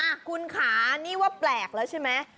อ่ะคุณค่ะนี่ว่าแปลกแล้วใช่ไหม